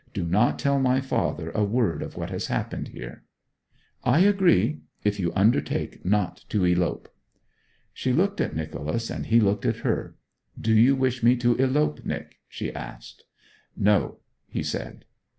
Do not tell my father a word of what has happened here.' 'I agree if you undertake not to elope.' She looked at Nicholas, and he looked at her. 'Do you wish me to elope, Nic?' she asked. 'No,' he said.